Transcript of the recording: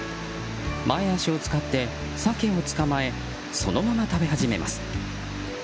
前脚を使ってサケを捕まえそのまま食べ始めます。